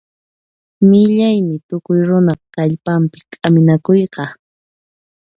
Millaymi tukuy runa qayllanpi k'aminakuyqa.